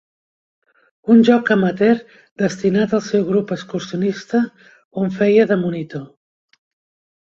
Un joc amateur destinat al seu grup excursionista on feia de monitor.